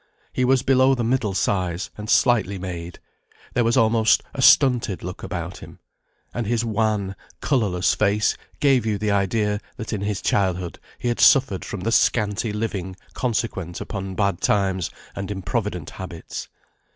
He was below the middle size and slightly made; there was almost a stunted look about him; and his wan, colourless face gave you the idea, that in his childhood he had suffered from the scanty living consequent upon bad times and improvident habits.